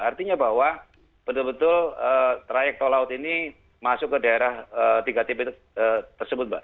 artinya bahwa betul betul trayek tol laut ini masuk ke daerah tiga tv tersebut mbak